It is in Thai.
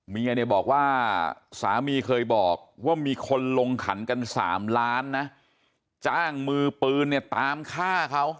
เมียเนี่ยบอกว่าสามีเคยบอกว่ามีคนลงขันกัน๓ล้านนะจ้างมือปืนเนี่ยตามฆ่าเขา